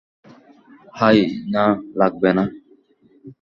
High না, লাগবেনা।